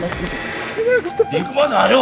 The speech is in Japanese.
ビッグマザーはよ